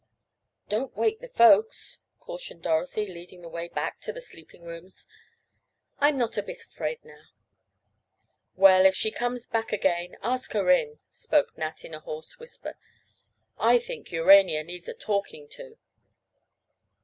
"Don't wake the folks," cautioned Dorothy, leading the way back to the sleeping rooms. "I'm not a bit afraid now." "Well, if she comes back again, ask her in," spoke Nat in a hoarse whisper. "I think Urania needs a talking to."